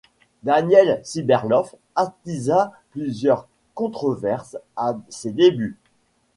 Daniel Simberloff attisa plusieurs controverses à ses débuts.